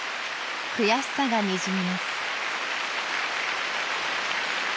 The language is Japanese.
悔しさがにじみます。